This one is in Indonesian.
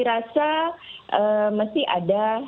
merasa masih ada